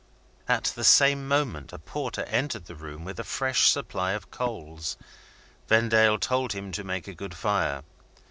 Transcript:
At the same moment a porter entered the room with a fresh supply of coals. Vendale told him to make a good fire.